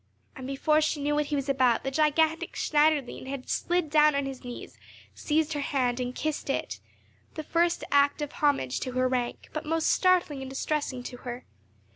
And, before she knew what he was about, the gigantic Schneiderlein had slid down on his knees, seized her hand, and kissed it—the first act of homage to her rank, but most startling and distressing to her.